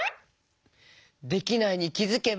「できないに気づけば」。